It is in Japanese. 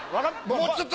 もうちょっと。